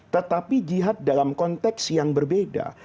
tetapi jihad dalam konteks yang berbeda